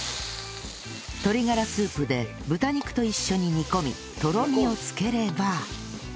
鶏がらスープで豚肉と一緒に煮込みとろみをつければ